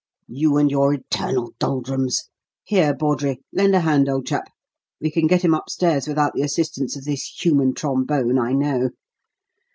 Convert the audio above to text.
"You and your eternal doldrums! Here, Bawdrey, lend a hand, old chap. We can get him upstairs without the assistance of this human trombone, I know."